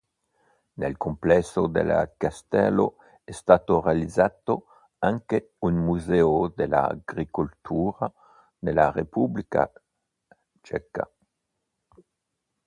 Nel complesso del castello è stato realizzato anche un museo dell'agricoltura nella Repubblica Ceca.